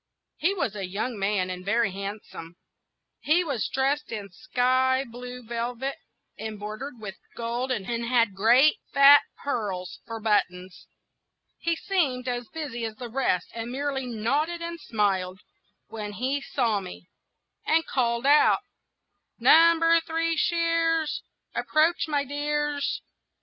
He was a young man, and very handsome. He was dressed in sky blue velvet, embroidered with gold, and had great fat pearls for buttons. He seemed as busy as the rest, and merely nodded and smiled when he saw me, and called out,— "Number Three Shears, Approach, my dears!"